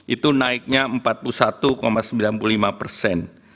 itu naiknya empat puluh satu sembilan puluh lima persen